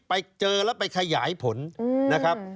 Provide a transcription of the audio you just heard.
ไปเจอแล้วไปขยายผลนะครับ